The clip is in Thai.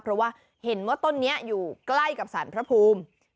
เพราะว่าเห็นว่าต้นนี้อยู่ใกล้กับสารพระภูมิ